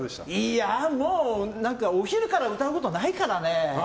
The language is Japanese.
いやあ、もうお昼から歌うことないからね。